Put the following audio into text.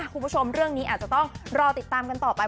คุณผู้ชมเรื่องนี้อาจจะต้องรอติดตามกันต่อไป